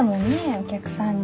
お客さんに。